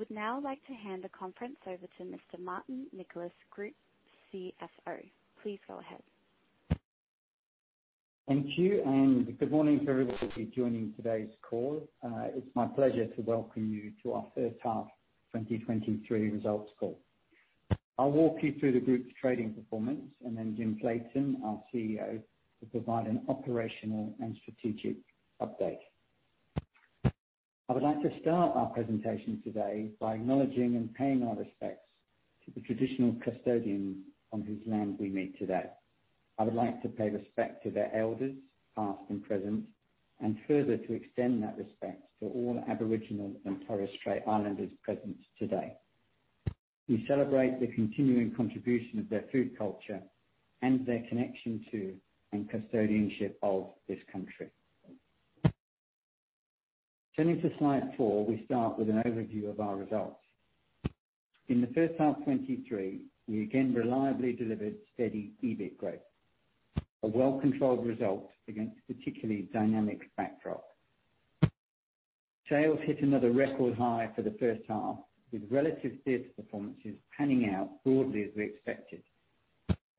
I would now like to hand the conference over to Mr. Martin Nicholas, Group CFO. Please go ahead. Thank you. Good morning to everybody joining today's call. It's my pleasure to welcome you to our First Half 2023 Results Call. I'll walk you through the group's trading performance. Then Jim Clayton, our CEO, will provide an operational and strategic update. I would like to start our presentation today by acknowledging and paying our respects to the traditional custodian on whose land we meet today. I would like to pay respect to their elders, past and present. Further to extend that respect to all Aboriginal and Torres Strait Islanders present today. We celebrate the continuing contribution of their food culture and their connection to, and custodianship of this country. Turning to slide four, we start with an overview of our results. In the first half 2023, we again reliably delivered steady EBIT growth. A well-controlled result against a particularly dynamic backdrop. Sales hit another record high for the first half, with relative sales performances panning out broadly as we expected.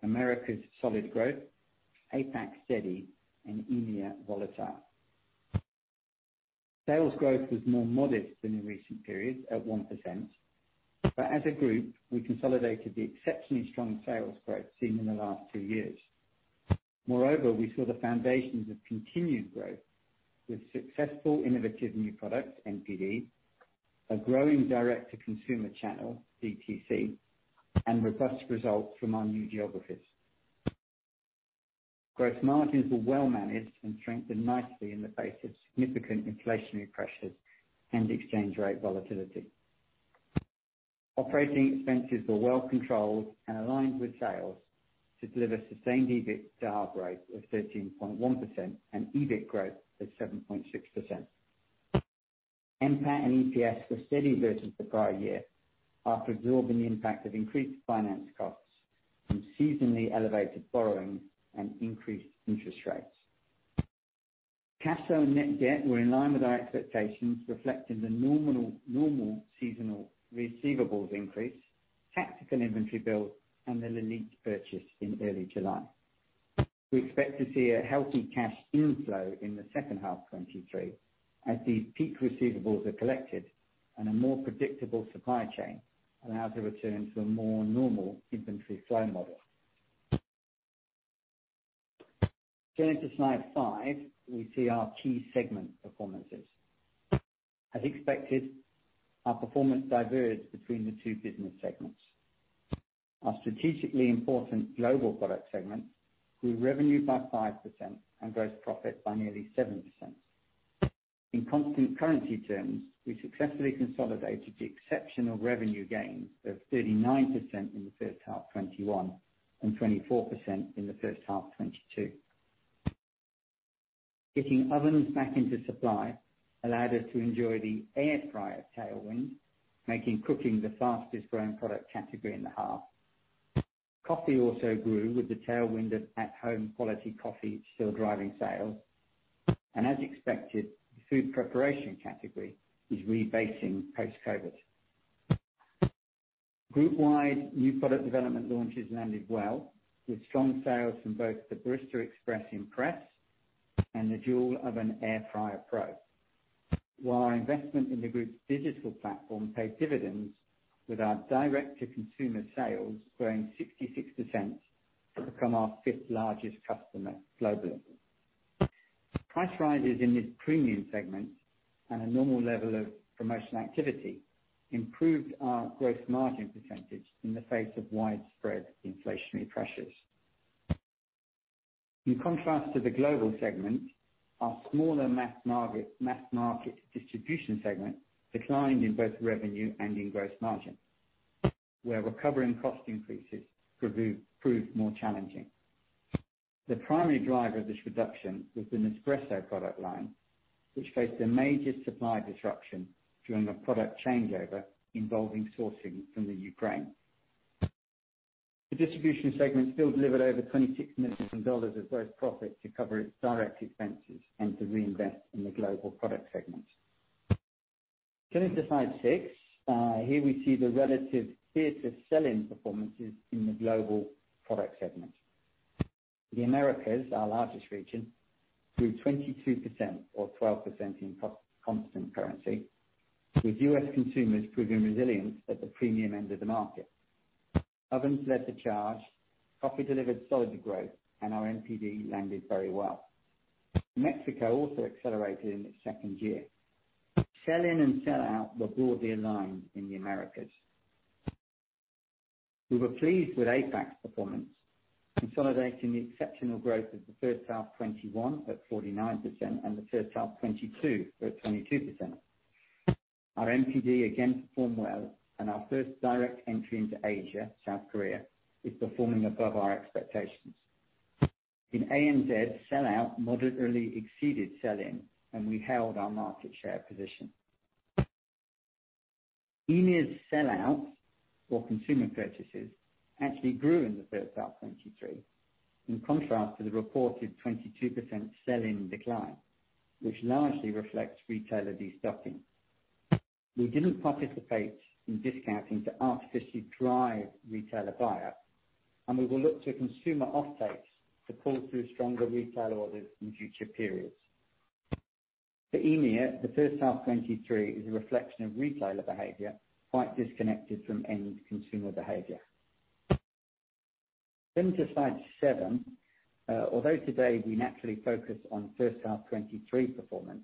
America's solid growth, APAC steady, and EMEA volatile. Sales growth was more modest than in recent periods at 1%. As a group, we consolidated the exceptionally strong sales growth seen in the last two years. Moreover, we saw the foundations of continued growth with successful innovative new products, NPD, a growing Direct-to-Consumer channel, DTC, and robust results from our new geographies. Gross margins were well managed and strengthened nicely in the face of significant inflationary pressures and exchange rate volatility. Operating expenses were well controlled and aligned with sales to deliver sustained EBIT sale growth of 13.1% and EBIT growth of 7.6%. NPAT and EPS were steady versus the prior year after absorbing the impact of increased finance costs from seasonally elevated borrowing and increased interest rates. Cash flow and net debt were in line with our expectations, reflecting the normal seasonal receivables increase, tactical inventory build, and the LELIT purchase in early July. We expect to see a healthy cash inflow in the second half 2023 as these peak receivables are collected and a more predictable supply chain allows a return to a more normal inventory flow model. Turning to slide five, we see our key segment performances. As expected, our performance diverged between the two business segments. Our strategically important global product segment grew revenue by 5% and gross profit by nearly 7%. In constant currency terms, we successfully consolidated the exceptional revenue gains of 39% in the first half 2021 and 24% in the first half 2022. Getting ovens back into supply allowed us to enjoy the air fryer tailwind, making cooking the fastest-growing product category in the half. Coffee also grew with the tailwind of at-home quality coffee still driving sales. As expected, food preparation category is rebasing post-COVID. Group-wide new product development launches landed well, with strong sales from both the Barista Express Impress and the Smart Oven Air Fryer Pro. While our investment in the group's digital platform paid dividends with our direct-to-consumer sales growing 66% to become our fifth largest customer globally. Price rises in this premium segment and a normal level of promotional activity improved our gross margin % in the face of widespread inflationary pressures. In contrast to the global segment, our smaller mass market distribution segment declined in both revenue and in gross margin, where recovering cost increases proved more challenging. The primary driver of this reduction was the Nespresso product line, which faced a major supply disruption during a product changeover involving sourcing from the Ukraine. The distribution segment still delivered over 26 million dollars of gross profit to cover its direct expenses and to reinvest in the global product segment. Turning to slide six, here we see the relative theater sell-in performances in the global product segment. The Americas, our largest region, grew 22% or 12% in constant currency, with U.S. consumers proving resilience at the premium end of the market. Ovens led the charge, coffee delivered solid growth, and our NPD landed very well. Mexico also accelerated in its second year. Sell-in and sell-out were broadly aligned in the Americas. We were pleased with APAC's performance, consolidating the exceptional growth of the first half 2021 at 49% and the first half 2022 at 22%. Our NPD again performed well, and our first direct entry into Asia, South Korea, is performing above our expectations. In ANZ, sell-out moderately exceeded sell-in, and we held our market share position. EMEA's consumer purchases actually grew in the first half 2023, in contrast to the reported 22% sell-in decline, which largely reflects retailer destocking. We didn't participate in discounting to artificially drive retailer buyer, and we will look to consumer offtakes to pull through stronger retailer orders in future periods. For EMEA, the first half 2023 is a reflection of retailer behavior quite disconnected from end consumer behavior. To slide seven. Although today we naturally focus on first half 2023 performance,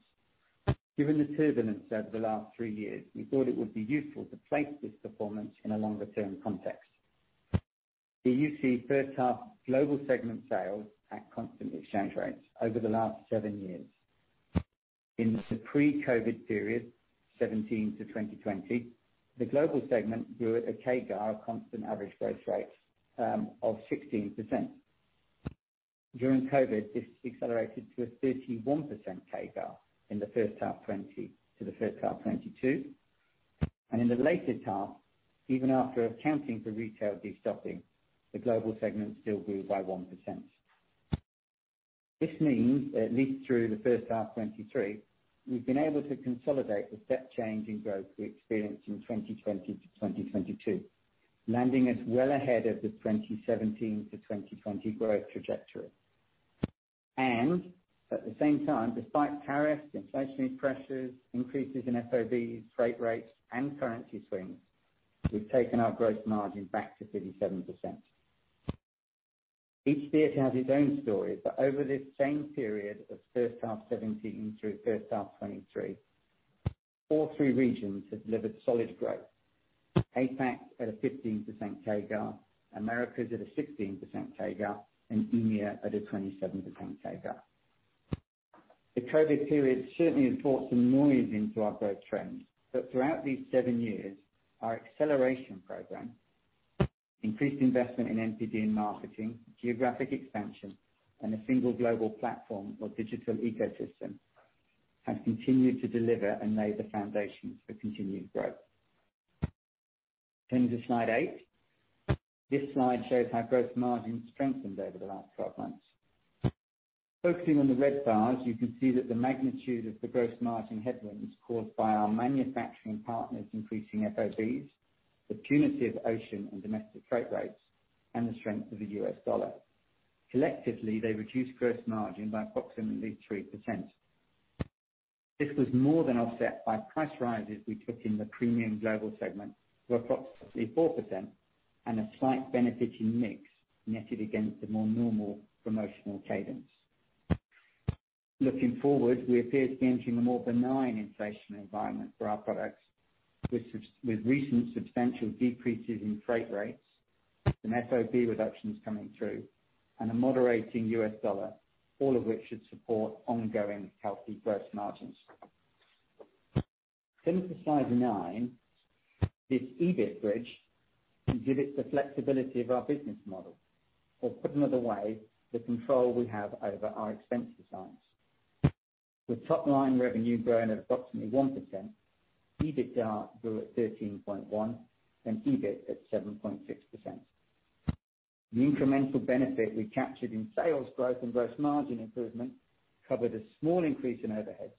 given the turbulence over the last seven years, we thought it would be useful to place this performance in a longer-term context. Here you see first half global segment sales at constant exchange rates over the last seven years. In the pre-COVID period, 2017 to 2020, the global segment grew at a CAGR, constant average growth rate, of 16%. During COVID, this accelerated to a 31% CAGR in the first half 2020 to the first half 2022. In the later half, even after accounting for retail destocking, the global segment still grew by 1%. This means, at least through the first half 2023, we've been able to consolidate the step change in growth we experienced in 2020 to 2022, landing us well ahead of the 2017 to 2020 growth trajectory. At the same time, despite tariffs, inflationary pressures, increases in FOB, freight rates, and currency swings, we've taken our growth margin back to 37%. Each theater has its own story, but over this same period of first half 2017 through first half 2023, all three regions have delivered solid growth. APAC at a 15% CAGR, Americas at a 16% CAGR, and EMEA at a 27% CAGR. The COVID period certainly has brought some noise into our growth trends, but throughout these seven years, our acceleration program, increased investment in MPD and marketing, geographic expansion, and a single global platform or digital ecosystem, has continued to deliver and lay the foundations for continued growth. To slide eight. This slide shows how gross margin strengthened over the last 12 months. Focusing on the red bars, you can see that the magnitude of the gross margin headwinds caused by our manufacturing partners increasing FOBs, the punitive ocean and domestic freight rates, and the strength of the US dollar. Collectively, they reduced gross margin by approximately 3%. This was more than offset by price rises we took in the premium global segment to approximately 4% and a slight benefit in mix netted against the more normal promotional cadence. Looking forward, we appear to be entering a more benign inflationary environment for our products with recent substantial decreases in freight rates and FOB reductions coming through and a moderating US dollar, all of which should support ongoing healthy gross margins. To slide nine. This EBIT bridge exhibits the flexibility of our business model, or put another way, the control we have over our expense designs. With top-line revenue growing at approximately 1%, EBITDA grew at 13.1%, and EBIT at 7.6%. The incremental benefit we captured in sales growth and gross margin improvement covered a small increase in overheads,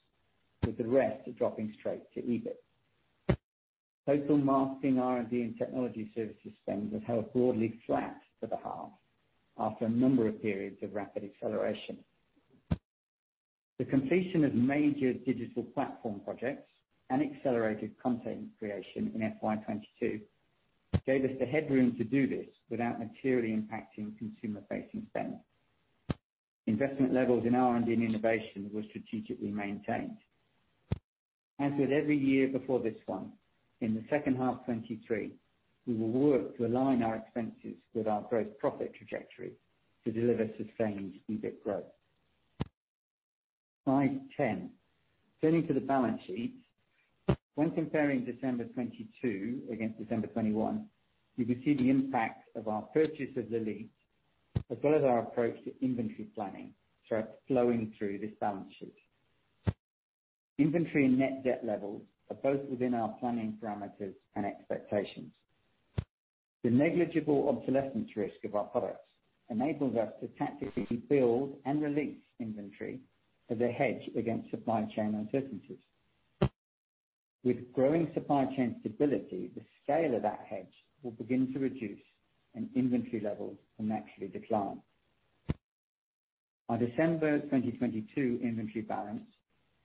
with the rest dropping straight to EBIT. Total marketing, R&D, and technology services spend was held broadly flat for the half after a number of periods of rapid acceleration. The completion of major digital platform projects and accelerated content creation in FY 2022 gave us the headroom to do this without materially impacting consumer-facing spend. Investment levels in R&D and innovation were strategically maintained. As with every year before this one, in the second half 2023, we will work to align our expenses with our gross profit trajectory to deliver sustained EBIT growth. Slide 10. Turning to the balance sheet. When comparing December 2022 against December 2021, you can see the impact of our purchase of the lease, as well as our approach to inventory planning, flowing through this balance sheet. Inventory and net debt levels are both within our planning parameters and expectations. The negligible obsolescence risk of our products enables us to tactically build and release inventory as a hedge against supply chain uncertainties. With growing supply chain stability, the scale of that hedge will begin to reduce and inventory levels will naturally decline. Our December 2022 inventory balance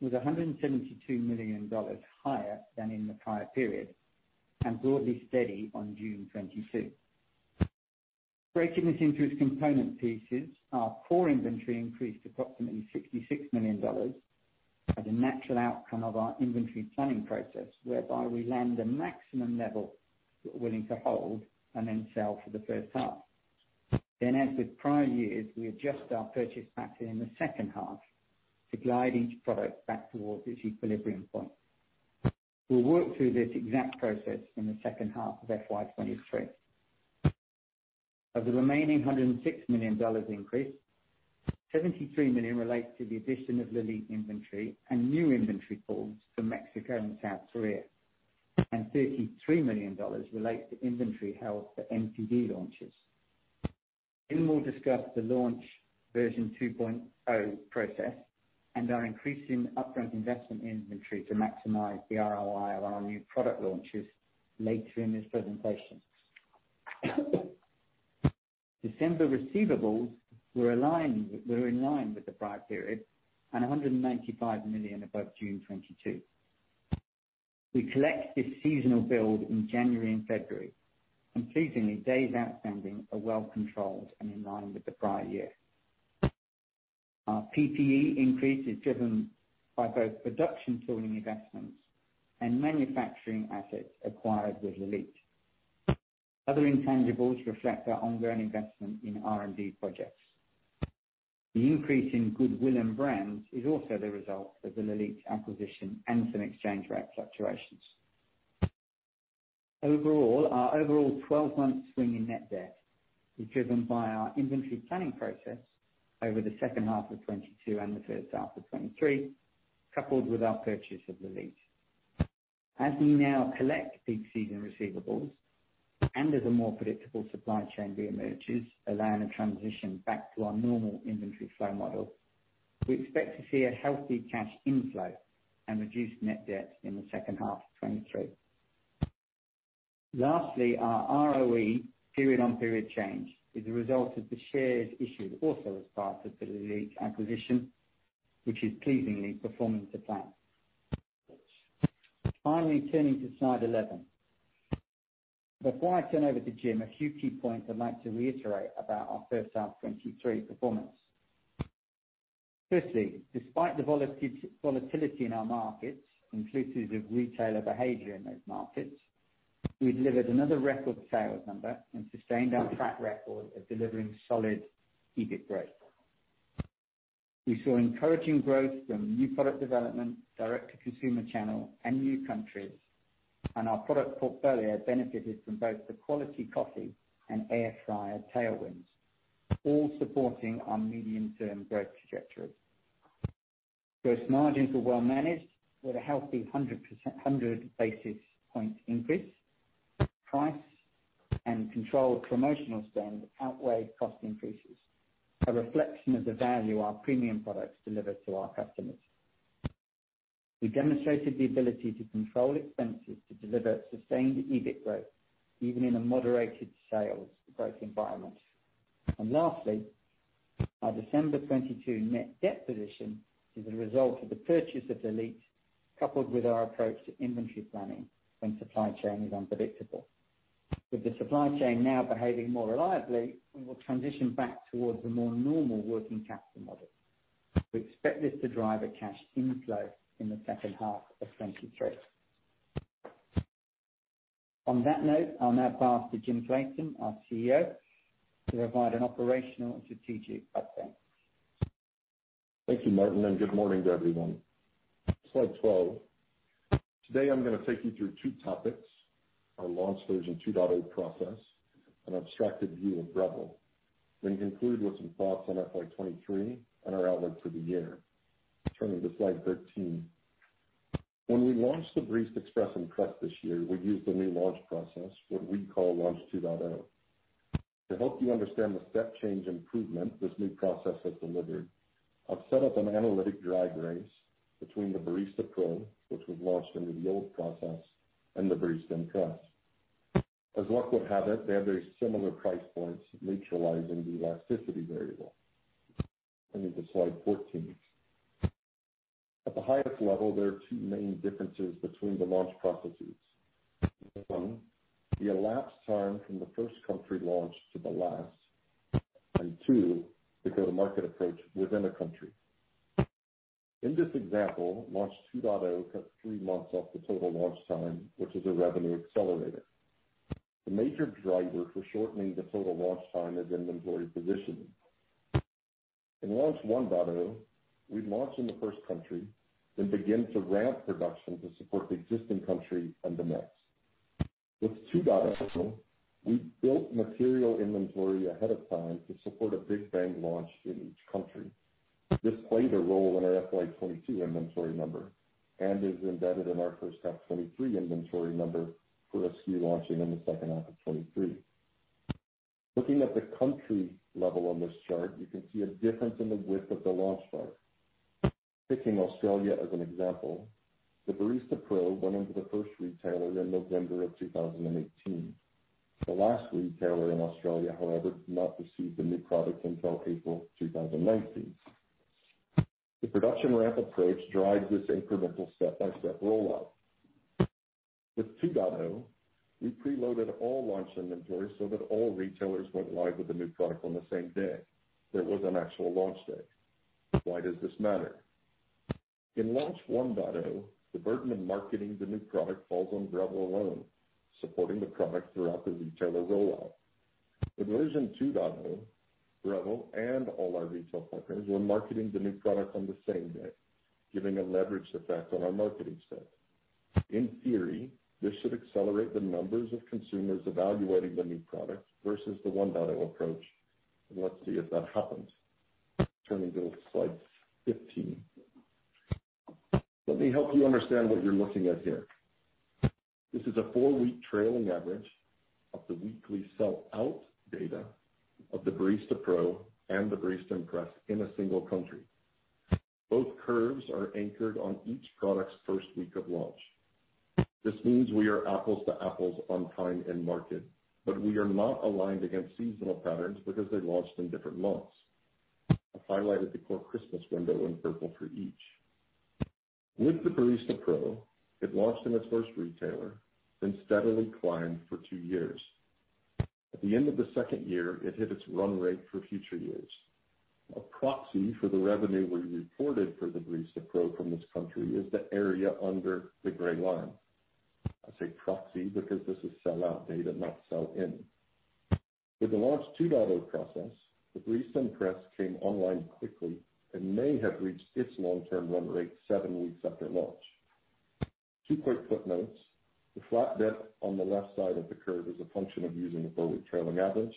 was 172 million dollars higher than in the prior period and broadly steady on June 2022. Breaking this into its component pieces, our core inventory increased approximately 66 million dollars as a natural outcome of our inventory planning process, whereby we land the maximum level we're willing to hold and then sell for the first half. As with prior years, we adjust our purchase pattern in the second half to glide each product back towards its equilibrium point. We'll work through this exact process in the second half of FY 2023. Of the remaining 106 million dollars increase, 73 million relates to the addition of LELIT inventory and new inventory pools for Mexico and South Korea, and 33 million dollars relates to inventory held for NPD launches. In more discuss the Launch 2.0 process and our increasing upfront investment in inventory to maximize the ROI of our new product launches later in this presentation. December receivables were in line with the prior period and 195 million above June 2022. We collect this seasonal build in January and February. Pleasingly, days outstanding are well controlled and in line with the prior year. Our PP&E increase is driven by both production tooling investments and manufacturing assets acquired with LELIT. Other intangibles reflect our ongoing investment in R&D projects. The increase in goodwill and brands is also the result of the LELIT acquisition and some exchange rate fluctuations. Overall, our overall 12-month swing in net debt is driven by our inventory planning process over the second half of 2022 and the first half of 2023, coupled with our purchase of LELIT. As we now collect peak season receivables and as a more predictable supply chain reemerges, allowing a transition back to our normal inventory flow model, we expect to see a healthy cash inflow and reduced net debt in the second half of 2023. Lastly, our ROE period-on-period change is a result of the shares issued also as part of the LELIT acquisition, which is pleasingly performing to plan. Turning to slide 11. Before I turn over to Jim, a few key points I'd like to reiterate about our first half 2023 performance. Firstly, despite the volatility in our markets, including the retailer behavior in those markets, we delivered another record sales number and sustained our track record of delivering solid EBIT growth. We saw encouraging growth from new product development, direct-to-consumer channel, and new countries. Our product portfolio benefited from both the quality coffee and air fryer tailwinds, all supporting our medium-term growth trajectory. Gross margins were well managed with a healthy 100 basis point increase. Price and controlled promotional spend outweighed cost increases, a reflection of the value our premium products deliver to our customers. We demonstrated the ability to control expenses to deliver sustained EBIT growth, even in a moderated sales growth environment. Lastly, our December 2022 net debt position is a result of the purchase of LELIT, coupled with our approach to inventory planning when supply chain is unpredictable. With the supply chain now behaving more reliably, we will transition back towards a more normal working capital model. We expect this to drive a cash inflow in the second half of 2023. On that note, I'll now pass to Jim Clayton, our CEO, to provide an operational and strategic update. Thank you, Martin, and good morning to everyone. Slide 12. Today, I'm gonna take you through two topics: our Launch 2.0 process, an abstracted view of Breville. Conclude with some thoughts on FY 2023 and our outlook for the year. Turning to slide 13. When we launched the Barista Express Impress this year, we used a new launch process, what we call Launch 2.0. To help you understand the step change improvement this new process has delivered, I've set up an analytic drag race between the Barista Pro, which was launched under the old process, and the Barista Impress. As luck would have it, they have very similar price points, neutralizing the elasticity variable. Turning to slide 14. At the highest level, there are two main differences between the launch processes. One, the elapsed time from the first country launch to the last, and two, the go-to-market approach within a country. In this example, Launch 2.0 cut three months off the total launch time, which is a revenue accelerator. The major driver for shortening the total launch time is inventory positioning. In Launch 1.0, we launch in the first country then begin to ramp production to support the existing country and the next. With 2.0, we built material inventory ahead of time to support a big bang launch in each country. This played a role in our FY 2022 inventory number and is embedded in our first half 2023 inventory number for a SKU launching in the second half of 2023. Looking at the country level on this chart, you can see a difference in the width of the launch bar. Picking Australia as an example, the Barista Pro went into the first retailer in November 2018. The last retailer in Australia, however, did not receive the new product until April 2019. The production ramp approach drives this incremental step-by-step rollout. With Launch 2.0, we preloaded all launch inventory so that all retailers went live with the new product on the same day. There was an actual launch day. Why does this matter? In Launch 1.0, the burden of marketing the new product falls on Breville alone, supporting the product throughout the retailer rollout. With version Launch 2.0, Breville and all our retail partners were marketing the new product on the same day, giving a leverage effect on our marketing spend. In theory, this should accelerate the numbers of consumers evaluating the new product versus the Launch 1.0 approach. Let's see if that happens. Turning to slide 15. Let me help you understand what you're looking at here. This is a four week trailing average of the weekly sell out data of the Barista Pro and the Barista Impress in a single country. Both curves are anchored on each product's first week of launch. This means we are apples to apples on time in market, but we are not aligned against seasonal patterns because they launched in different months. I've highlighted the core Christmas window in purple for each. With the Barista Pro, it launched in its first retailer, then steadily climbed for two years. At the end of the second year, it hit its run rate for future years. A proxy for the revenue we reported for the Barista Pro from this country is the area under the gray line. I say proxy because this is sell out data, not sell in. With the Launch 2.0 process, the Barista Impress came online quickly and may have reached its long-term run rate seven weeks after launch. Two quick footnotes. The flat dip on the left side of the curve is a function of using a four-week trailing average.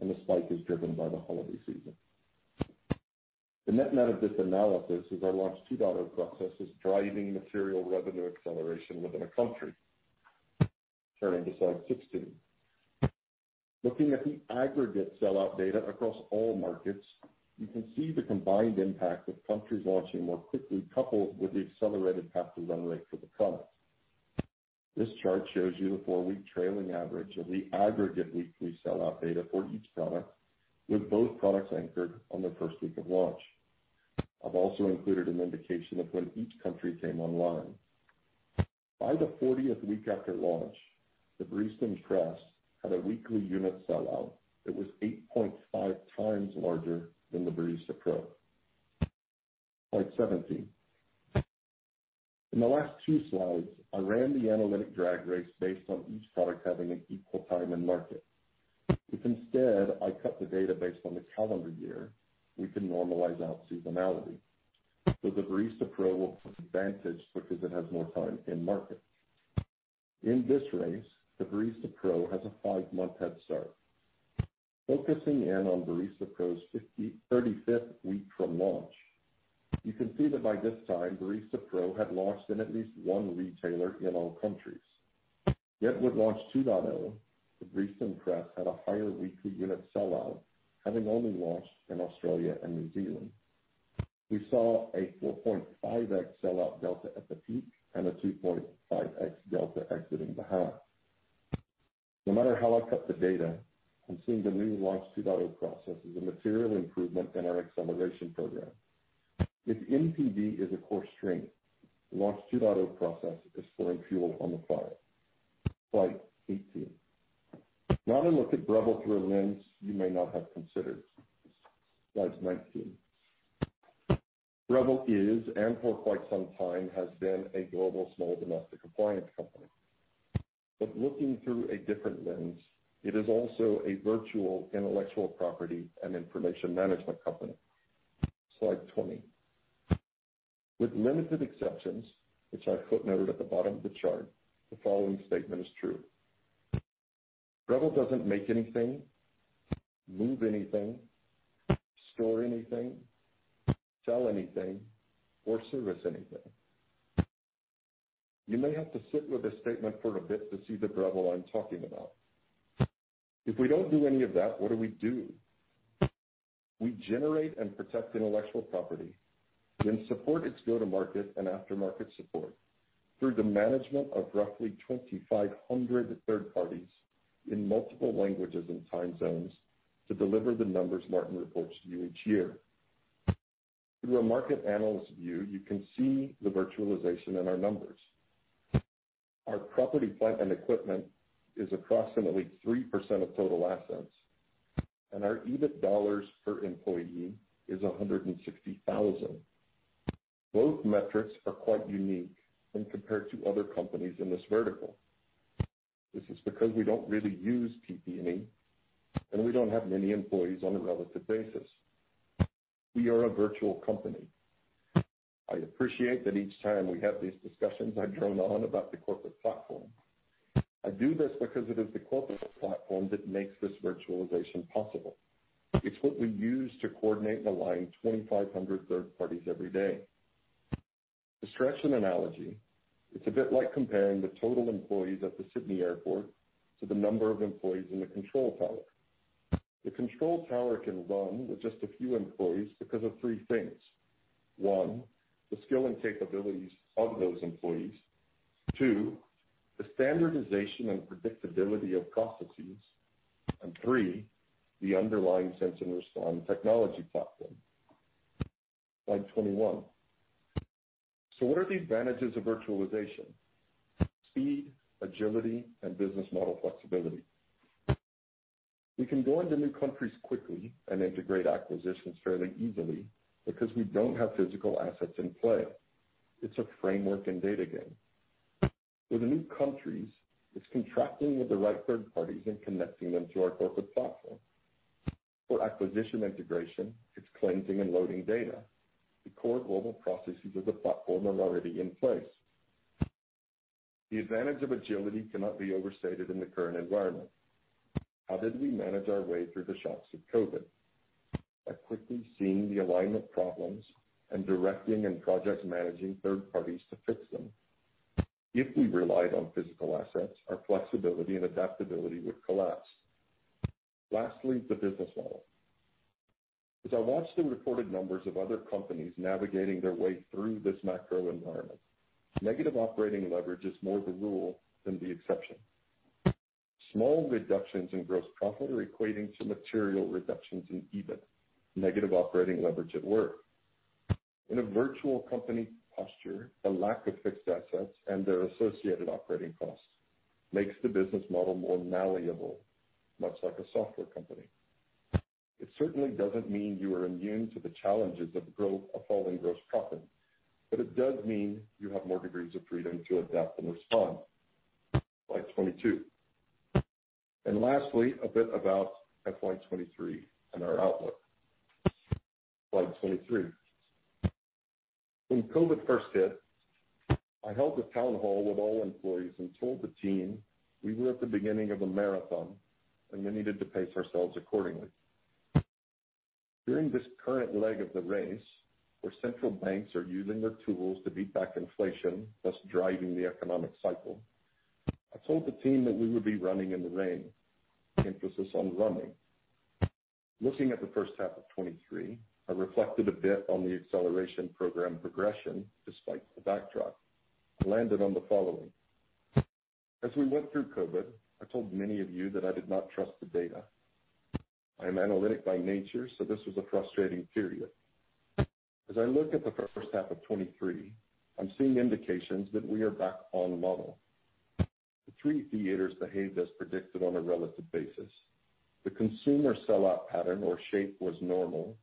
The spike is driven by the holiday season. The net out of this analysis is our Launch 2.0 process is driving material revenue acceleration within a country. Turning to slide 16. Looking at the aggregate sellout data across all markets, you can see the combined impact of countries launching more quickly, coupled with the accelerated path to run rate for the product. This chart shows you the four-week trailing average of the aggregate weekly sellout data for each product, with both products anchored on their first week of launch. I've also included an indication of when each country came online. By the 40th week after launch, the Barista Impress had a weekly unit sellout that was 8.5 times larger than the Barista Pro. Slide 17. In the last two slides, I ran the analytic drag race based on each product having an equal time in market. If instead I cut the data based on the calendar year, we can normalize out seasonality. The Barista Pro will have an advantage because it has more time in market. In this race, the Barista Pro has a five month head start. Focusing in on Barista Pro's 35th week from launch, you can see that by this time, Barista Pro had launched in at least one retailer in all countries. With Launch 2.0, the Barista Impress had a higher weekly unit sellout having only launched in Australia and New Zealand. We saw a 4.5x sell out delta at the peak and a 2.5x delta exiting behind. No matter how I cut the data, I'm seeing the new Launch 2.0 process is a material improvement in our acceleration program. If NPD is a core strength, Launch 2.0 process is throwing fuel on the fire. Slide 18. To look at Breville through a lens you may not have considered. Slide 19. Breville is, and for quite some time has been a global small domestic appliance company. Looking through a different lens, it is also a virtual intellectual property and information management company. Slide 20. With limited exceptions, which I footnoted at the bottom of the chart, the following statement is true: Breville doesn't make anything, move anything, store anything, sell anything or service anything. You may have to sit with this statement for a bit to see the Breville I'm talking about. If we don't do any of that, what do we do? We generate and protect intellectual property, support its go-to-market and aftermarket support through the management of roughly 2,500 third parties in multiple languages and time zones to deliver the numbers Martin reports to you each year. Through a market analyst view, you can see the virtualization in our numbers. Our property, plant, and equipment is approximately 3% of total assets, and our EBIT dollars per employee is 160,000. Both metrics are quite unique when compared to other companies in this vertical. This is because we don't really use PP&E, and we don't have many employees on a relative basis. We are a virtual company. I appreciate that each time we have these discussions, I drone on about the corporate platform. I do this because it is the corporate platform that makes this virtualization possible. It's what we use to coordinate and align 2,500 third parties every day. To stretch an analogy, it's a bit like comparing the total employees at the Sydney Airport to the number of employees in the control tower. The control tower can run with just a few employees because of three things. One, the skill and capabilities of those employees. Two, the standardization and predictability of processes. Three, the underlying sense and respond technology platform. Slide 21. What are the advantages of virtualization? Speed, agility, and business model flexibility. We can go into new countries quickly and integrate acquisitions fairly easily because we don't have physical assets in play. It's a framework and data game. For the new countries, it's contracting with the right third parties and connecting them to our corporate platform. For acquisition integration, it's cleansing and loading data. The core global processes of the platform are already in place. The advantage of agility cannot be overstated in the current environment. How did we manage our way through the shocks of COVID? By quickly seeing the alignment problems and directing and project managing third parties to fix them. If we relied on physical assets, our flexibility and adaptability would collapse. Lastly, the business model. As I watch the reported numbers of other companies navigating their way through this macro environment, negative operating leverage is more the rule than the exception. Small reductions in gross profit are equating to material reductions in EBIT. Negative operating leverage at work. In a virtual company posture, a lack of fixed assets and their associated operating costs makes the business model more malleable, much like a software company. It certainly doesn't mean you are immune to the challenges of falling gross profit, but it does mean you have more degrees of freedom to adapt and respond. Slide 22. Lastly, a bit about FY 2023 and our outlook. Slide 23. When COVID first hit, I held a town hall with all employees and told the team we were at the beginning of a marathon, and we needed to pace ourselves accordingly. During this current leg of the race, where central banks are using their tools to beat back inflation, thus driving the economic cycle, I told the team that we would be running in the rain, emphasis on running. Looking at the first half of 2023, I reflected a bit on the acceleration program progression despite the backdrop. I landed on the following. As we went through COVID, I told many of you that I did not trust the data. I am analytic by nature, so this was a frustrating period. As I look at the first half of 2023, I'm seeing indications that we are back on model. The three theaters behaved as predicted on a relative basis. The consumer sellout pattern or shape was normal.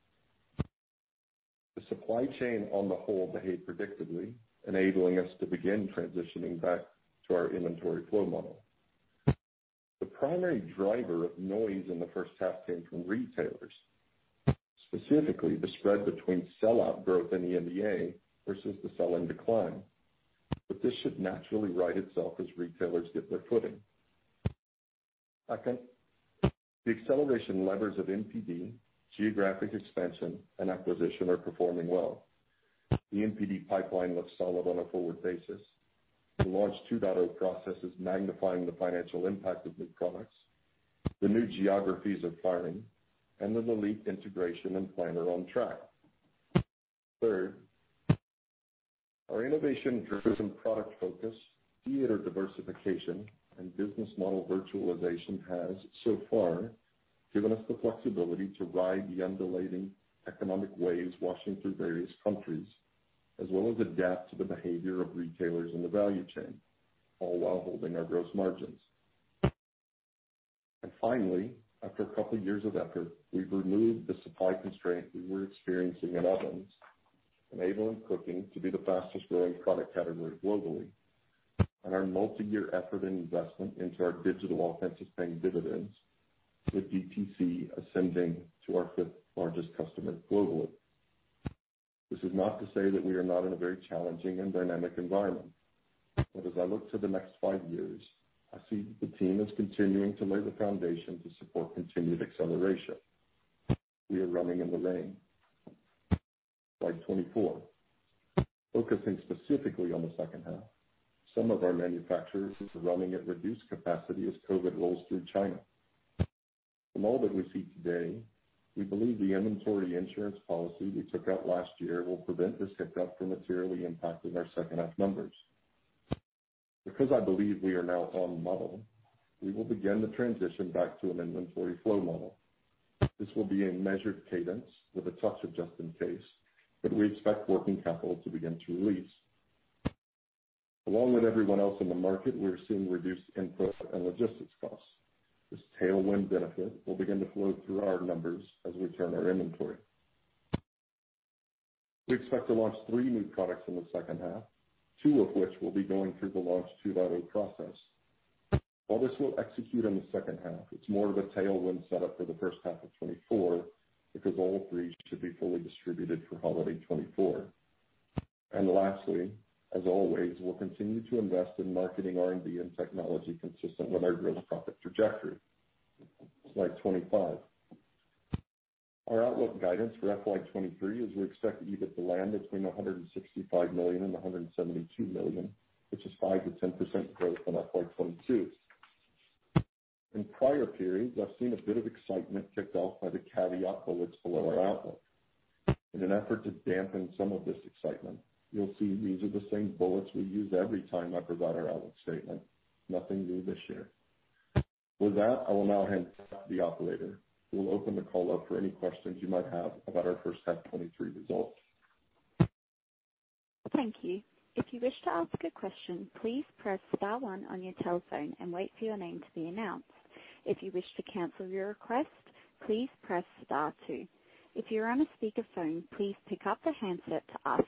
The supply chain on the whole behaved predictably, enabling us to begin transitioning back to our inventory flow model. The primary driver of noise in the first half came from retailers, specifically the spread between sellout growth in the NDA versus the selling decline. This should naturally right itself as retailers get their footing. Second, the acceleration levers of NPD, geographic expansion, and acquisition are performing well. The NPD pipeline looks solid on a forward basis. The Launch 2.0 process is magnifying the financial impact of new products. The new geographies are firing, and the LELIT integration and plan are on track. Third, our innovation-driven product focus, theater diversification, and business model virtualization has so far given us the flexibility to ride the undulating economic waves washing through various countries, as well as adapt to the behavior of retailers in the value chain, all while holding our gross margins. Finally, after a couple of years of effort, we've removed the supply constraint we were experiencing in ovens, enabling cooking to be the fastest-growing product category globally. Our multi-year effort and investment into our digital offense is paying dividends, with DTC ascending to our fifth largest customer globally. This is not to say that we are not in a very challenging and dynamic environment. As I look to the next five years, I see that the team is continuing to lay the foundation to support continued acceleration. We are running in the rain. Slide 24. Focusing specifically on the second half, some of our manufacturers are running at reduced capacity as COVID rolls through China. From all that we see today, we believe the inventory insurance policy we took out last year will prevent this hiccup from materially impacting our second half numbers. Because I believe we are now on model, we will begin the transition back to an inventory flow model. This will be a measured cadence with a touch of just in case, but we expect working capital to begin to release. Along with everyone else in the market, we're seeing reduced input and logistics costs. This tailwind benefit will begin to flow through our numbers as we turn our inventory. We expect to launch three new products in the second half, two of which will be going through the Launch 2.0 process. While this will execute in the second half, it's more of a tailwind setup for the first half of 2024 because all three should be fully distributed for holiday 2024. Lastly, as always, we'll continue to invest in marketing R&D and technology consistent with our gross profit trajectory. Slide 25. Our outlook guidance for FY 2023 is we expect EBIT to land between 165 million and 172 million, which is 5%-10% growth on FY 2022. In prior periods, I've seen a bit of excitement kicked off by the caveat bullets below our outlook. In an effort to dampen some of this excitement, you'll see these are the same bullets we use every time I provide our outlook statement. Nothing new this year. With that, I will now hand it to the operator, who will open the call up for any questions you might have about our first half 2023 results. Thank you. If you wish to ask a question, please press star one on your telephone and wait for your name to be announced. If you wish to cancel your request, please press star two. If you're on a speakerphone, please pick up the handset to ask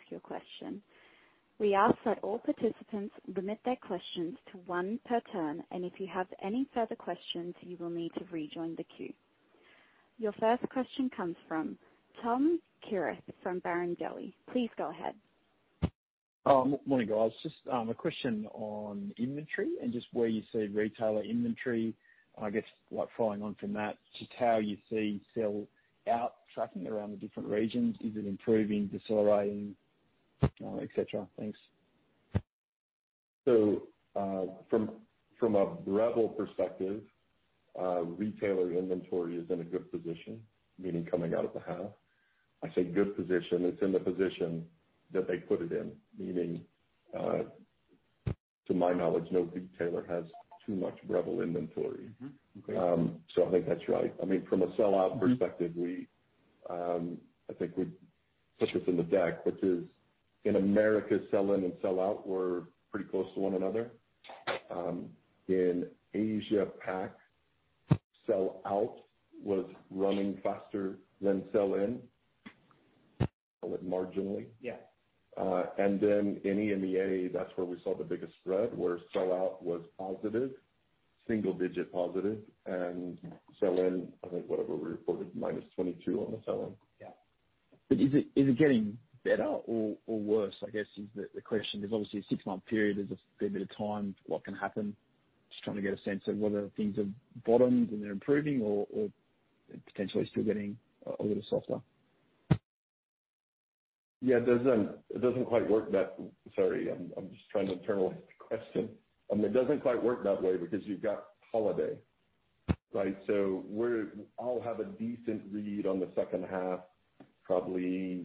your question. We ask that all participants limit their questions to one per turn, and if you have any further questions, you will need to rejoin the queue. Your first question comes from Tom Kierath from Barrenjoey. Please go ahead. morning, guys. Just a question on inventory and just where you see retailer inventory. I guess, like, following on from that, just how you see sell out tracking around the different regions. Is it improving, decelerating, et cetera? Thanks. From a Breville perspective, retailer inventory is in a good position, meaning coming out of the half. I say good position, it's in the position that they put it in. Meaning, to my knowledge, no big retailer has too much Breville inventory. Mm-hmm. Okay. I think that's right. I mean, from a sellout. Mm-hmm. Perspective, we, I think we put this in the deck, which is in America, sell in and sell out were pretty close to one another. In Asia-Pac, sell out was running faster than sell in, call it marginally. Yeah. In EMEA, that's where we saw the biggest spread, where sellout was positive, single digit positive. Sell in, I think whatever we reported, -22% on the sell in. Yeah. Is it getting better or worse, I guess is the question. There's obviously a six-month period, there's a fair bit of time for what can happen. Just trying to get a sense of whether things have bottomed and they're improving or potentially still getting a little softer. Yeah, it doesn't quite work that... Sorry, I'm just trying to internalize the question. It doesn't quite work that way because you've got holiday, right? I'll have a decent read on the second half probably,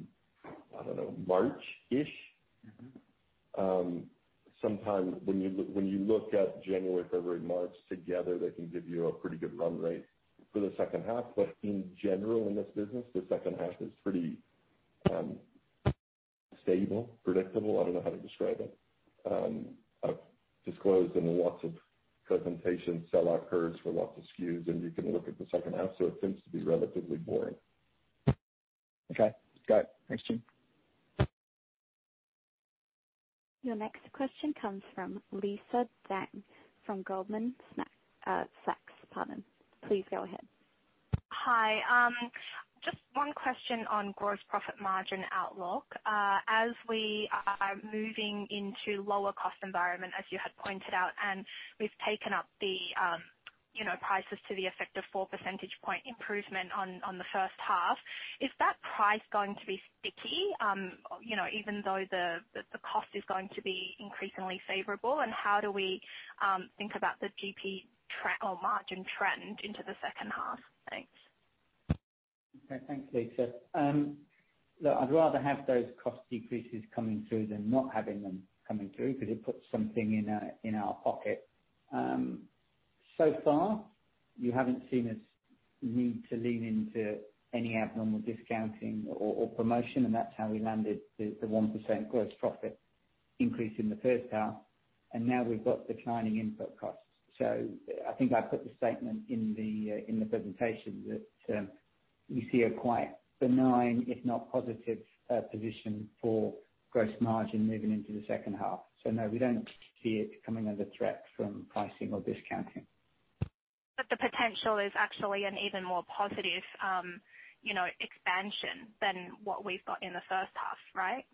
I don't know, March-ish. Mm-hmm. Sometimes when you, when you look at January, February, March together, they can give you a pretty good run rate for the second half. In general, in this business, the second half is pretty stable, predictable. I don't know how to describe it. I've disclosed in lots of presentations, sell out curves for lots of SKUs, and you can look at the second half. It tends to be relatively boring. Okay. Got it. Thanks, Jim. Your next question comes from Lisa Deng from Goldman Sachs. Pardon. Please go ahead. Hi. Just one question on gross profit margin outlook. As we are moving into lower cost environment, as you had pointed out, and we've taken up the, you know, prices to the effect of four percentage point improvement on the first half, is that price going to be sticky, you know, even though the cost is going to be increasingly favorable? How do we think about the GP trend or margin trend into the second half? Thanks. Okay. Thanks, Lisa. Look, I'd rather have those cost decreases coming through than not having them coming through because it puts something in our pocket. So far, you haven't seen us need to lean into any abnormal discounting or promotion, and that's how we landed the 1% gross profit increase in the first half, and now we've got declining input costs. I think I put the statement in the presentation that we see a quite benign, if not positive position for gross margin moving into the second half. No, we don't see it coming under threat from pricing or discounting. The potential is actually an even more positive, you know, expansion than what we've got in the first half, right?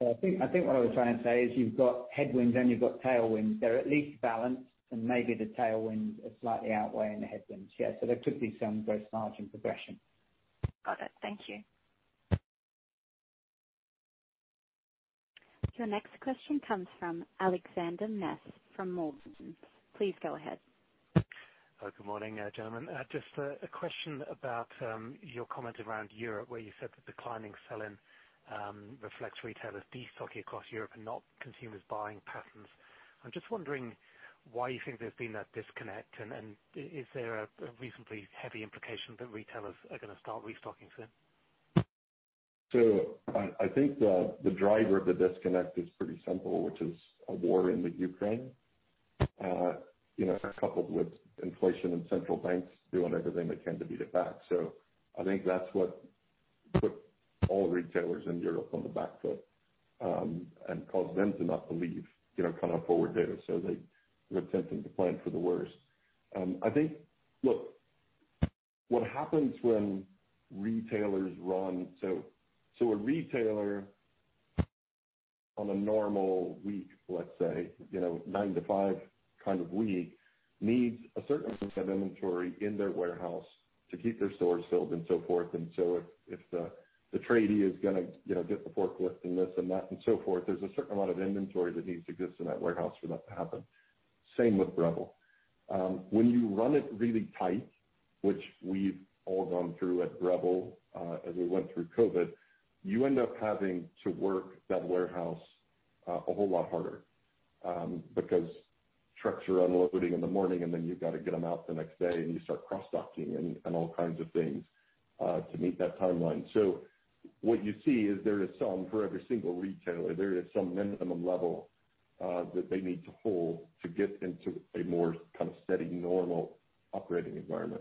I think what I was trying to say is you've got headwinds and you've got tailwinds. They're at least balanced and maybe the tailwinds are slightly outweighing the headwinds. Yeah. There could be some gross margin progression. Got it. Thank you. Your next question comes from Alexander Mees from Morgans. Please go ahead. Good morning, gentlemen. Just a question about your comment around Europe, where you said that declining sell-in reflects retailers destocking across Europe and not consumers buying patterns. I'm just wondering why you think there's been that disconnect, and is there a reasonably heavy implication that retailers are gonna start restocking soon? I think the driver of the disconnect is pretty simple, which is a war in the Ukraine, you know, coupled with inflation and central banks doing everything they can to beat it back. I think that's what put all retailers in Europe on the back foot, and caused them to not believe, you know, kind of forward data. They were tempted to plan for the worst. I think. Look, what happens when retailers run. A retailer on a normal week, let's say, you know, nine-to-five kind of week, needs a certain amount of inventory in their warehouse to keep their stores filled and so forth. If the tradie is gonna, you know, get the forklift and this and that and so forth, there's a certain amount of inventory that needs to exist in that warehouse for that to happen. Same with Breville. When you run it really tight, which we've all gone through at Breville, as we went through COVID, you end up having to work that warehouse a whole lot harder because trucks are unloading in the morning, and then you've got to get them out the next day, and you start cross docking and all kinds of things to meet that timeline. What you see is there is some for every single retailer, there is some minimum level that they need to hold to get into a more kind of steady, normal operating environment.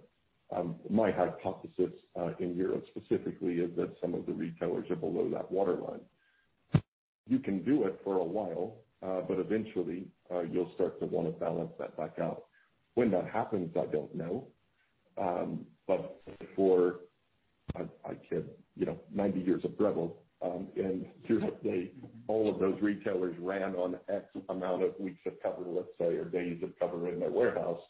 My hypothesis in Europe specifically is that some of the retailers are below that waterline. You can do it for a while, but eventually, you'll start to wanna balance that back out. When that happens, I don't know. For a kid, you know, 90 years of Breville, and to date, all of those retailers ran on X amount of weeks of cover, let's say, or days of cover in their warehouse,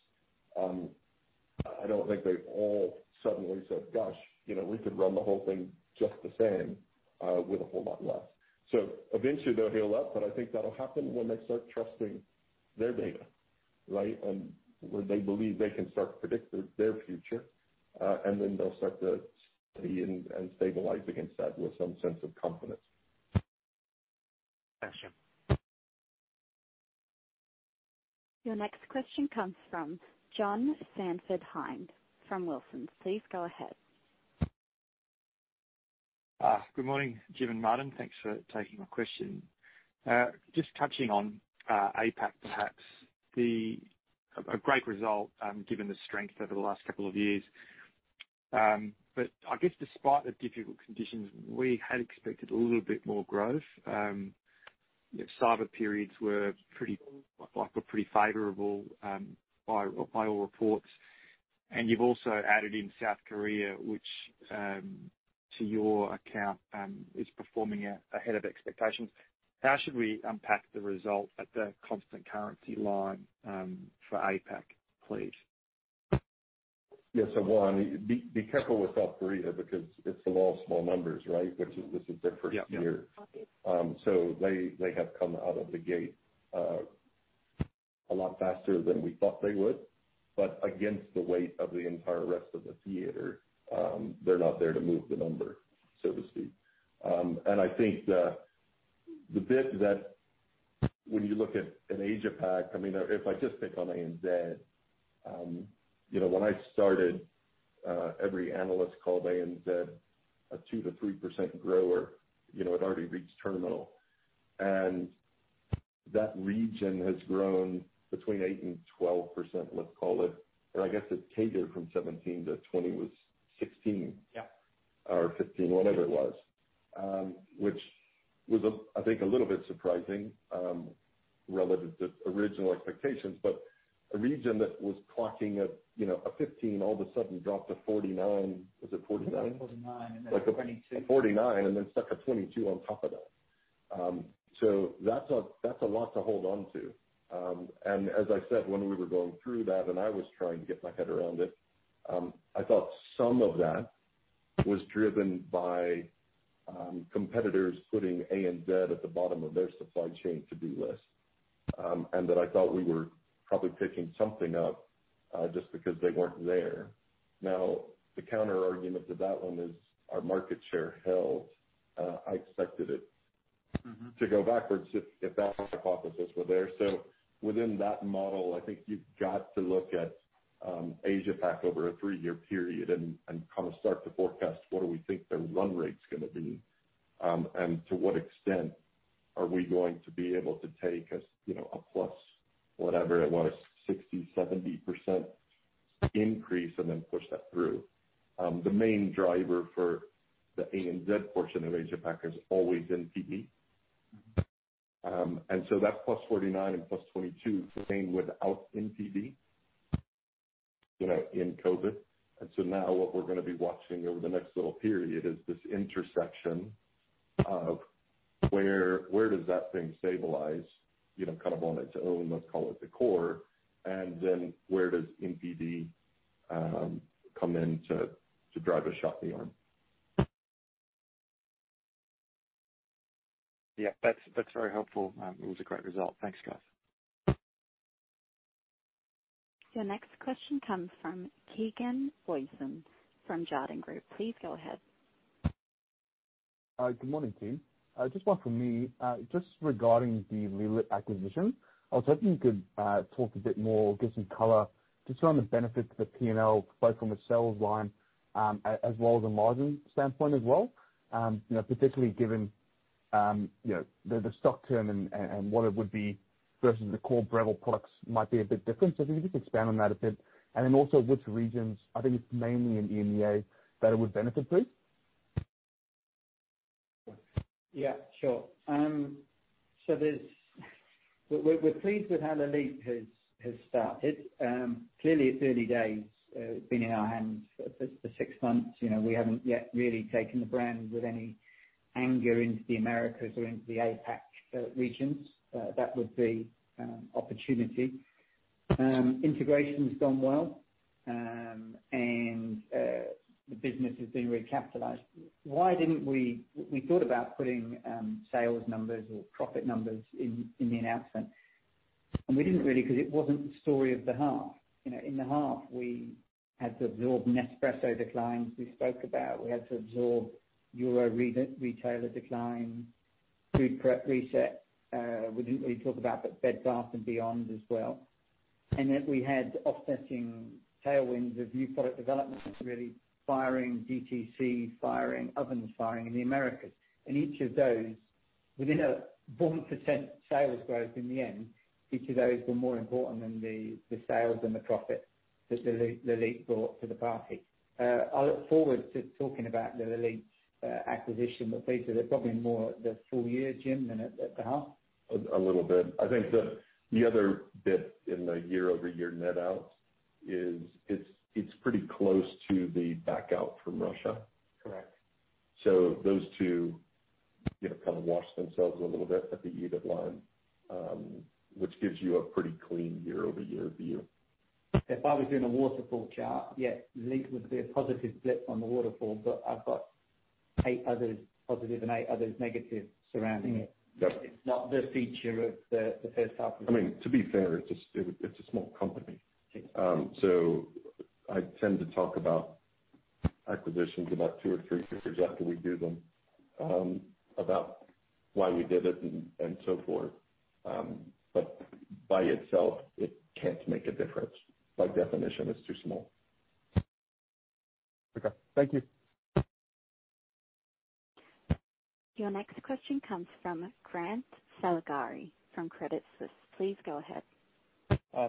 I don't think they've all suddenly said, "Gosh, you know, we could run the whole thing just the same, with a whole lot less." Eventually they'll heal up, but I think that'll happen when they start trusting their data, right? When they believe they can start to predict their future, and then they'll start to steady and stabilize against that with some sense of confidence. Thanks, Jim. Your next question comes from John Sanford-Hind from Wilsons. Please go ahead. Good morning, Jim and Martin. Thanks for taking my question. Just touching on, APAC perhaps, the A great result, given the strength over the last couple of years. I guess despite the difficult conditions, we had expected a little bit more growth. You know, cyber periods were pretty favorable, by all reports. You've also added in South Korea, which, to your account, is performing ahead of expectations. How should we unpack the result at the constant currency line, for APAC, please? Yeah. One, be careful with South Korea because it's the law of small numbers, right? Which this is their first year. Yeah. Yeah. They have come out of the gate, a lot faster than we thought they would. Against the weight of the entire rest of the theater, they're not there to move the number, so to speak. I think the bit that when you look at an Asia-Pac, I mean, if I just pick on ANZ, you know, when I started, every analyst called ANZ a 2%-3% grower. You know, it already reached terminal. That region has grown the stock term and what it would be versus the core Breville products might be a bit different. If you could just expand on that a bit. Then also which regions, I think it's mainly in EMEA, that it would benefit, please. We're pleased with how LELIT has started. Clearly it's early days. It's been in our hands for six months. You know, we haven't yet really taken the brand with any anger into the Americas or into the APAC regions. That would be opportunity. Integration's gone well. The business has been recapitalized. We thought about putting sales numbers or profit numbers in the announcement. We didn't really because it wasn't the story of the half. You know, in the half we had to absorb Nespresso declines we spoke about. We had to absorb Euro retailer decline, food prep reset. We didn't really talk about Bed Bath & Beyond as well. That we had offsetting tailwinds of new product development that's really firing DTC, firing ovens, firing in the Americas. Each of those within a 1% sales growth in the end, each of those were more important than the sales and the profit that LELIT brought to the party. I look forward to talking about the LELIT acquisition with Peter. They're probably more the full year, Jim, than at the half. A little bit. I think the other bit in the year-over-year net out is it's pretty close to the back out from Russia. Correct. Those two, you know, kind of wash themselves a little bit at the EBIT line, which gives you a pretty clean year-over-year view. If I was doing a waterfall chart, yeah, LELIT would be a positive blip on the waterfall, but I've got eight others positive and eight others negative surrounding it. Yep. It's not the feature of the first half. I mean, to be fair, it's a small company. Yes. I tend to talk about acquisitions about two or three quarters after we do them, about why we did it and so forth. By itself, it can't make a difference. By definition, it's too small. Okay. Thank you. Your next question comes from Grant Saligari from Credit Suisse. Please go ahead.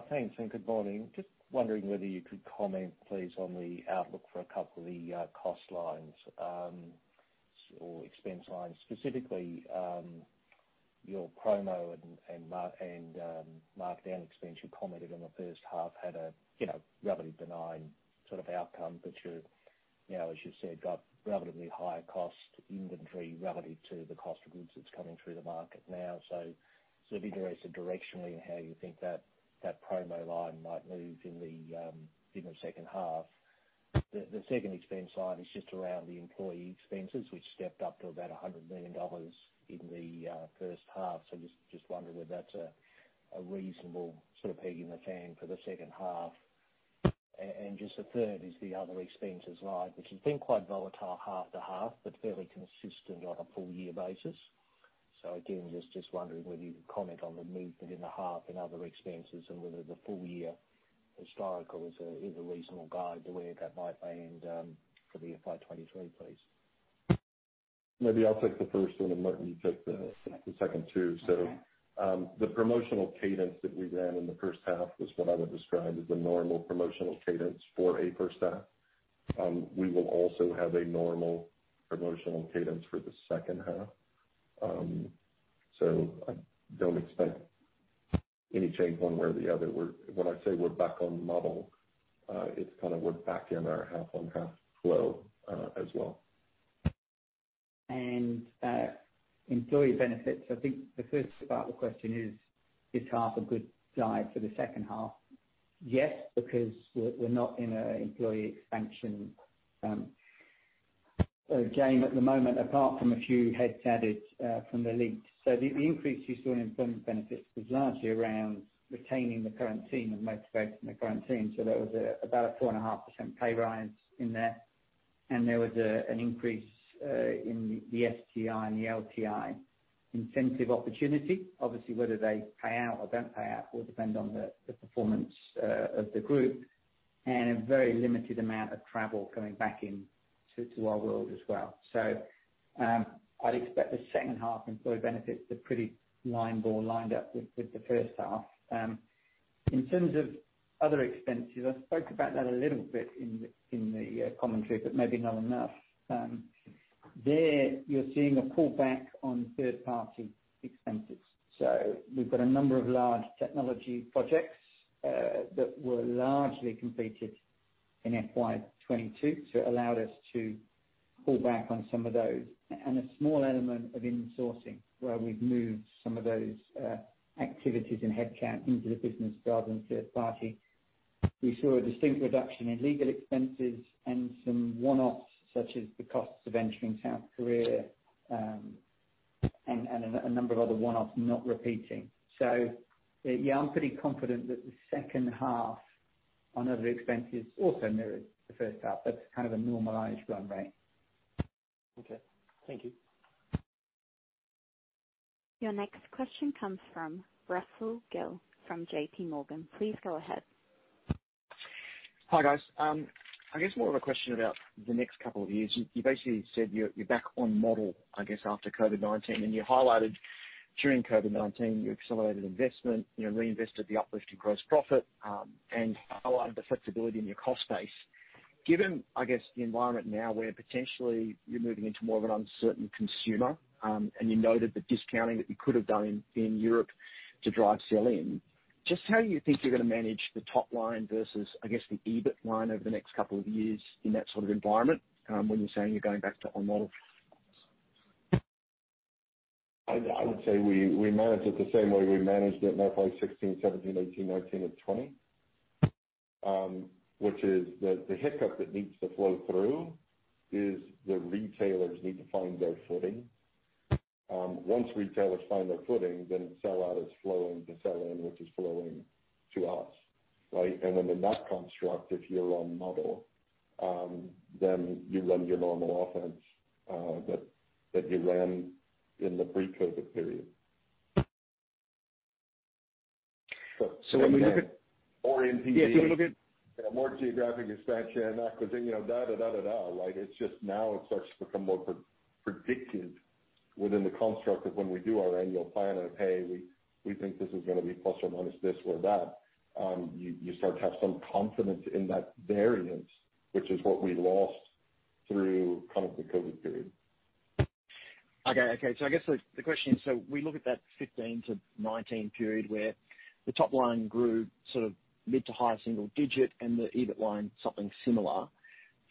Thanks and good morning. Just wondering whether you could comment, please, on the outlook for a couple of the cost lines or expense lines. Specifically, your promo and markdown expense you commented on the first half had a, you know, relatively benign sort of outcome, but you're now, as you said, got relatively higher cost inventory relative to the cost of goods that's coming through the market now. Sort of interested directionally in how you think that promo line might move in the second half. The second expense line is just around the employee expenses, which stepped up to about 100 million dollars in the first half. Just wondering whether that's a reasonable sort of peg in the fang for the second half. Just the third is the other expenses line, which has been quite volatile half to half, but fairly consistent on a full year basis. Again, just wondering whether you could comment on the movement in the half and other expenses and whether the full year historical is a reasonable guide to where that might land for the FY 2023, please. Maybe I'll take the first one and let you take the second two. Okay. The promotional cadence that we ran in the first half was what I would describe as the normal promotional cadence for a first half. We will also have a normal promotional cadence for the second half. I don't expect any change one way or the other. When I say we're back on model, it's kind of we're back in our half-on-half flow as well. I think the first part of the question is half a good guide for the second half? Yes, because we're not in an employee expansion game at the moment, apart from a few heads added from LELIT. The increase you saw in employment benefits was largely around retaining the current team and motivating the current team. There was about a 4.5% pay rise in there. There was an increase in the STI and the LTI incentive opportunity. Obviously, whether they pay out or don't pay out will depend on the performance of the group and a very limited amount of travel going back into our world as well. I'd expect the second half employee benefits are pretty line ball lined up with the first half. In terms of other expenses, I spoke about that a little bit in the commentary, but maybe not enough. There you're seeing a pullback on third-party expenses. We've got a number of large technology projects that were largely completed in FY 2022, so it allowed us to pull back on some of those. A small element of insourcing where we've moved some of those activities and headcount into the business rather than third party. We saw a distinct reduction in legal expenses and some one-offs, such as the costs of entering South Korea, and a number of other one-offs not repeating. Yeah, I'm pretty confident that the second half on other expenses also mirrors the first half. That's kind of a normalized run rate. Okay. Thank you. Your next question comes from Russell Gill from J.P. Morgan. Please go ahead. Hi, guys. I guess more of a question about the next couple of years. You basically said you're back on model, I guess, after COVID-19, and you highlighted during COVID-19, you accelerated investment, you know, reinvested the uplift in gross profit, and highlighted the flexibility in your cost base. Given, I guess, the environment now where potentially you're moving into more of an uncertain consumer, and you noted the discounting that you could have done in Europe to drive sell-in, just how you think you're gonna manage the top line versus, I guess, the EBIT line over the next couple of years in that sort of environment, when you're saying you're going back to on model? I would say we manage it the same way we managed it in probably 16, 17, 18, 19 and 20. Which is the hiccup that needs to flow through is the retailers need to find their footing. Once retailers find their footing, sell out is flowing to sell in, which is flowing to us, right? In that construct, if you're on model, you run your normal offense that you ran in the pre-COVID period. When you look. Oriented- Yeah. You know, more geographic expansion and acquisition, you know, da, da, da, right? It's just now it starts to become more predictive within the construct of when we do our annual planning, "Hey, we think this is gonna be plus or minus this or that." You start to have some confidence in that variance, which is what we lost through kind of the COVID period. Okay. Okay. I guess the question is, we look at that 15-19 period where the top line grew sort of mid to high single-digit and the EBIT line something similar.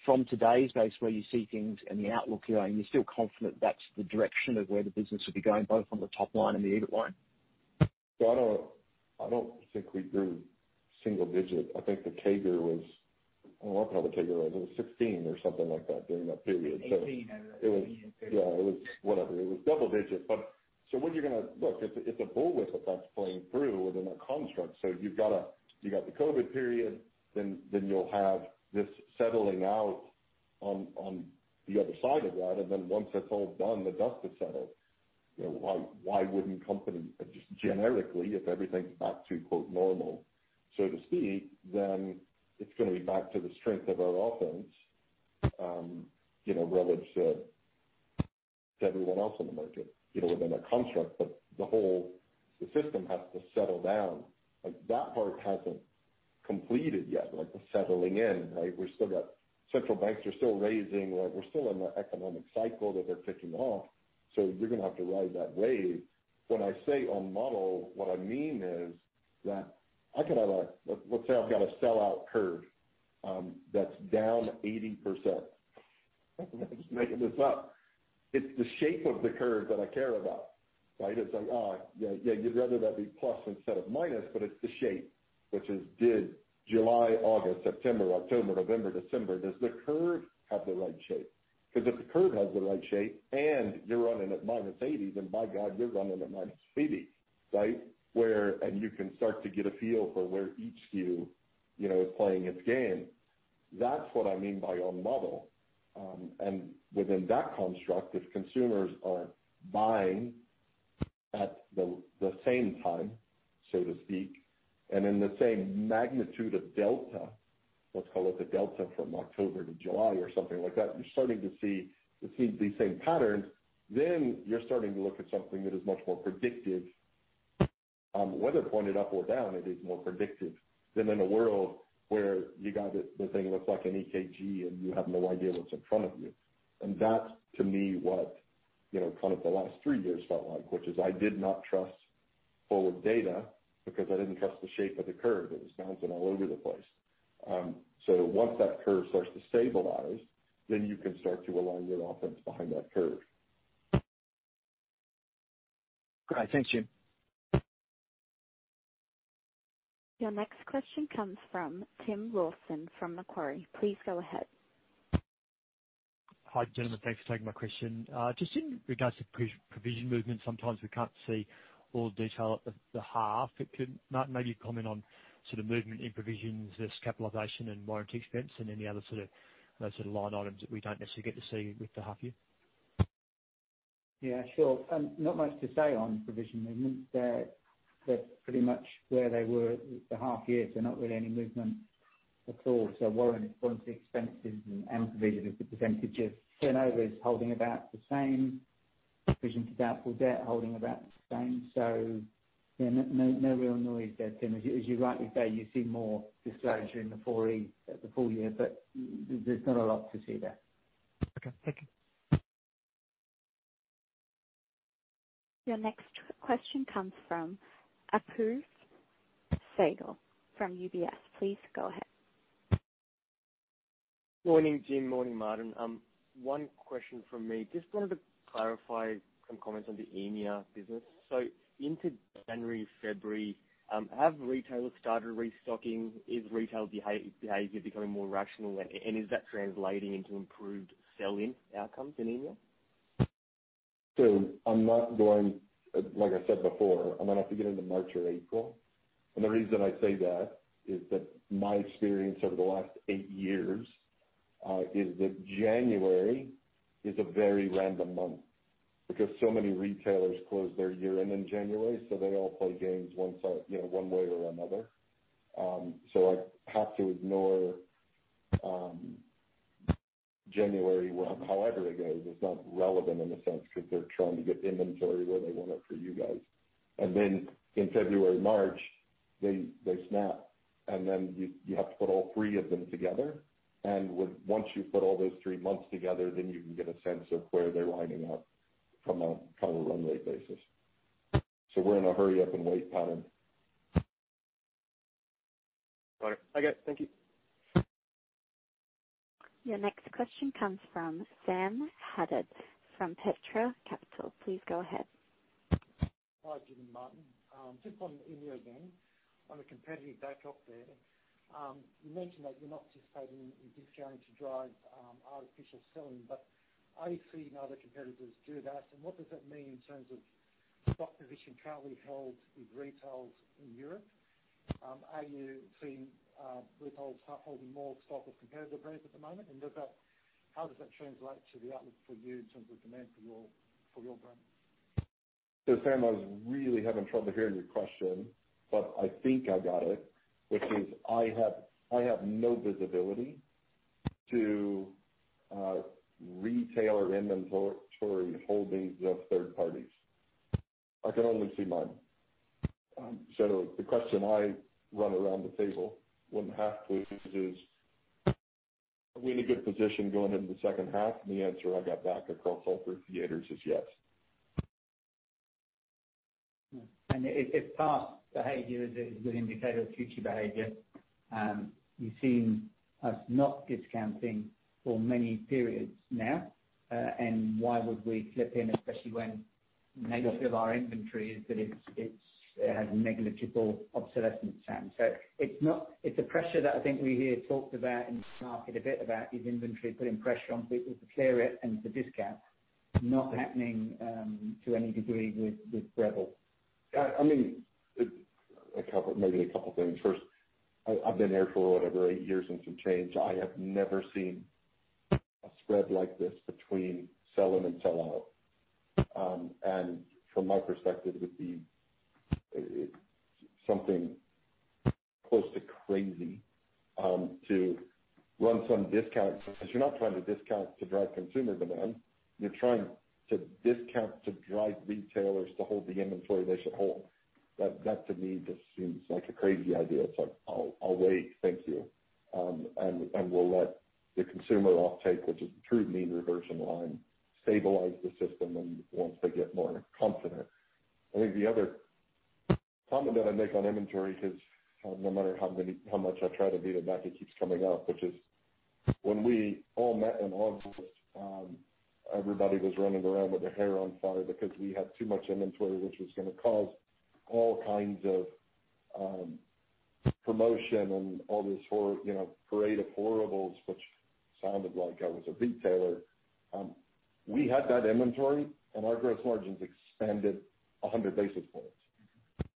From today's base, where you see things and the outlook you own, you're still confident that's the direction of where the business will be going, both on the top line and the EBIT line? I don't think we grew single digit. I think the CAGR was. I don't know what the CAGR was. It was 16 or something like that during that period. Eighteen. It was whatever. It was double digits. It's a bullet that that's playing through within a construct. You got the COVID period, then you'll have this settling out on the other side of that. Once that's all done, the dust has settled. You know, why wouldn't company, just generically, if everything's back to, quote, "normal," so to speak, then it's gonna be back to the strength of our offense, you know, relative to everyone else in the market, you know, within a construct. The system has to settle down. Like, that part hasn't completed yet, like the settling in, right? Central banks are still raising. Like, we're still in the economic cycle that they're kicking off. You're gonna have to ride that wave. When I say on model, what I mean is that I could have a. Let's say I've got a sellout curve that's down 80%. Just making this up. It's the shape of the curve that I care about, right? It's like, yeah, you'd rather that be plus instead of minus, but it's the shape. Which is did July, August, September, October, November, December, does the curve have the right shape? 'Cause if the curve has the right shape and you're running at minus 80, then by God, you're running at minus 50, right? You can start to get a feel for where each SKU, you know, is playing its game. That's what I mean by on model. Within that construct, if consumers are buying at the same time, so to speak, and in the same magnitude of delta, let's call it the delta from October to July or something like that, you're starting to see these same patterns, then you're starting to look at something that is much more predictive. Whether pointed up or down, it is more predictive than in a world where you got the thing looks like an EKG and you have no idea what's in front of you. That's, to me, what, you know, kind of the last three years felt like, which is I did not trust forward data because I didn't trust the shape of the curve. It was bouncing all over the place. Once that curve starts to stabilize, then you can start to align your offense behind that curve. Great. Thanks, Jim. Your next question comes from Tim Lawson from Macquarie. Please go ahead. Hi, gentlemen. Thanks for taking my question. Just in regards to provision movement, sometimes we can't see all detail at the half. Could, Martin, maybe comment on sort of movement in provisions as capitalization and warranty expense and any other sort of, you know, line items that we don't necessarily get to see with the half year? Yeah, sure. Not much to say on provision movement. They're pretty much where they were the half year, so not really any movement at all. Warranty expenses and provision as a percentage of turnover is holding about the same. Provision for doubtful debt holding about the same. Yeah, no real noise there, Tim. As you, as you rightly say, you see more disclosure in the full year, but there's not a lot to see there. Okay. Thank you. Your next question comes from Apoorv Sehgal from UBS. Please go ahead. Morning, Jim. Morning, Martin. One question from me. Just wanted to clarify some comments on the EMEA business. Into January, February, have retailers started restocking? Is retail behavior becoming more rational? Is that translating into improved sell-in outcomes in EMEA? Like I said before, I'm gonna have to get into March or April. The reason I say that is that my experience over the last eight years is that January is a very random month because so many retailers close their year-end in January, so they all play games one side, you know, one way or another. I have to ignore January, well, however it goes. It's not relevant in a sense 'cause they're trying to get the inventory where they want it for you guys. Then in February, March, they snap, and then you have to put all three of them together. Once you put all those three months together, then you can get a sense of where they're lining up from a run rate basis. We're in a hurry up and wait pattern. All right. Okay, thank you. Your next question comes from Sam Haddad from Petra Capital. Please go ahead. Hi, Jim and Martin. Just on EMEA again, on the competitive backdrop there, you mentioned that you're not participating in discounting to drive artificial selling, but are you seeing other competitors do that? What does that mean in terms of stock position currently held with retails in Europe? Are you seeing, retails holding more stock with competitive brands at the moment? How does that translate to the outlook for you in terms of demand for your, for your brand? Sam, I was really having trouble hearing your question, but I think I got it, which is I have no visibility to retailer inventory holdings of third parties. I can only see mine. The question I run around the table when half closed is, are we in a good position going into the second half? The answer I got back across all three theaters is yes. If, if past behavior is a good indicator of future behavior, you've seen us not discounting for many periods now. Why would we clip in, especially when nature of our inventory is that it's has negligible obsolescence, Sam. So it's not. It's a pressure that I think we hear talked about in the market a bit about, is inventory putting pressure on people to clear it and to discount. Not happening to any degree with Breville. I mean, a couple, maybe a couple things. First, I've been there for whatever, eight years and some change. I have never seen a spread like this between sell-in and sell-out. From my perspective, it would be something close to crazy to run some discount. You're not trying to discount to drive consumer demand, you're trying to discount to drive retailers to hold the inventory they should hold. That to me just seems like a crazy idea. It's like, I'll wait. Thank you. And we'll let the consumer offtake, which is the true mean reversion line, stabilize the system and once they get more confident. I think the other comment that I'd make on inventory, because no matter how many, how much I try to beat it back, it keeps coming up, which is when we all met in August, everybody was running around with their hair on fire because we had too much inventory, which was gonna cause all kinds of promotion and all this you know, parade of horrible, which sounded like I was a retailer. We had that inventory and our gross margins expanded 100 basis points.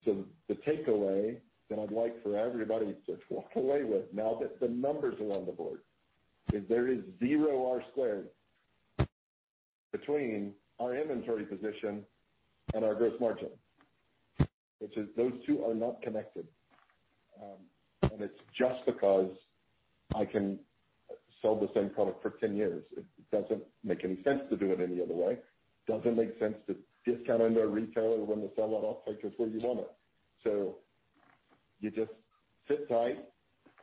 The takeaway that I'd like for everybody to walk away with now that the numbers are on the board, is there is zero R-squared between our inventory position and our gross margin, which is those two are not connected. And it's just because I can sell the same product for 10 years. It doesn't make any sense to do it any other way. Doesn't make sense to discount into a retailer when the sellout offtake is where you want it. You just sit tight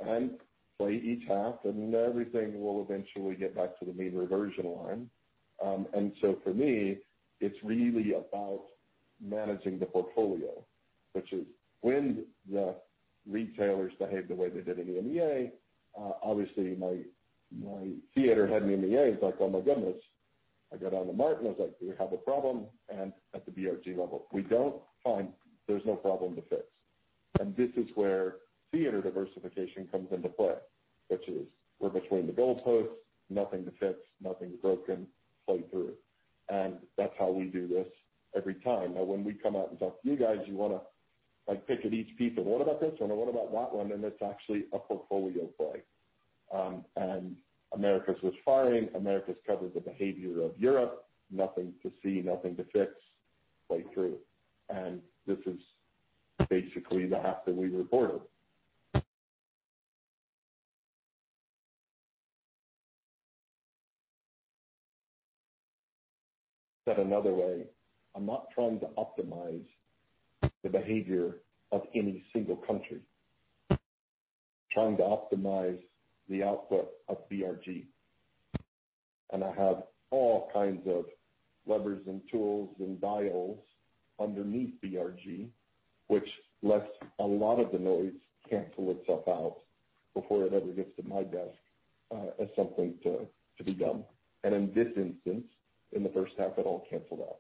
and play each half, and everything will eventually get back to the mean reversion line. For me, it's really about managing the portfolio, which is when the retailers behave the way they did in EMEA, obviously my theater head in EMEA is like, "Oh my goodness." I got on the mic and I was like, "We have a problem." At the BRG level, we don't. Fine. There's no problem to fix. This is where theater diversification comes into play, which is we're between the goalposts, nothing to fix, nothing's broken, play through. That's how we do this every time. When we come out and talk to you guys, you wanna, like, pick at each piece of what about this or what about that one? It's actually a portfolio play. Americas was firing, Americas covered the behavior of Europe. Nothing to see, nothing to fix, play through. This is basically the half that we reported. Said another way, I'm not trying to optimize the behavior of any single country. Trying to optimize the output of BRG. I have all kinds of levers and tools and dials underneath BRG, which lets a lot of the noise cancel itself out before it ever gets to my desk, as something to be done. In this instance, in the first half, it all canceled out.